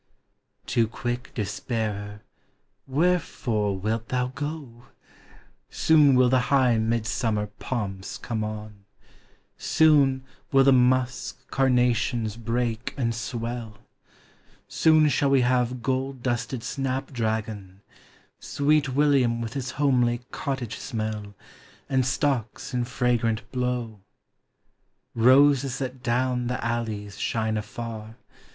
Too quick despairer, wherefore wilt thou go? Soon will the high Midsummer pomps conic on, Soon will the musk carnations break and swell, Soon shall we have gold dusted snapdragon, Sweet William with his homely cottage smell, And stocks in fragrant blow ; Roses that down the alleys shine afar.